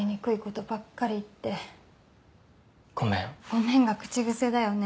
「ごめん」が口癖だよね。